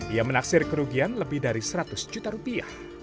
ia menaksir kerugian lebih dari seratus juta rupiah